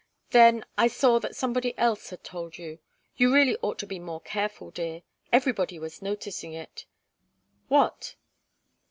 Then I saw that somebody else had told you you really ought to be more careful, dear! Everybody was noticing it." "What?"